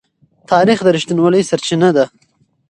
تاریخ د رښتینولۍ سرچینه ده.